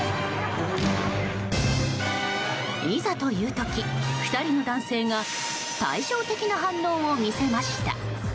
いざという時、２人の男性が対照的な反応を見せました。